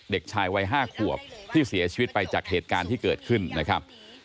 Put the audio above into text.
เด็กชายวัย๕ขวบที่เสียชีวิตไปจากเหตุการณ์ที่เกิดขึ้นนะครับ